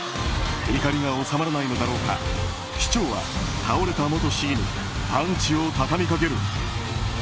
怒りが収まらないのだろうか市長は倒れた元市議にパンチを畳みかける。